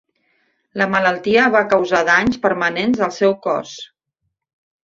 La malaltia va causar danys permanents al seu cos.